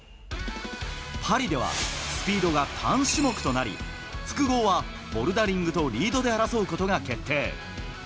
パリではスピードが単種目となり、複合はボルダリングとリードで争うことが決定。